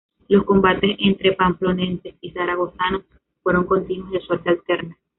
Los combates entre pamploneses y zaragozanos fueron continuos, y de suerte alterna.